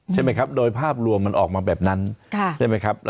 ใช่ไหมครับโดยภาพรวมมันออกมาแบบนั้นใช่ไหมครับ